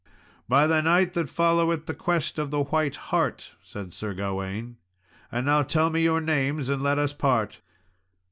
"By the knight that followeth the quest of the white hart," said Sir Gawain. "And now tell me your names, and let us part."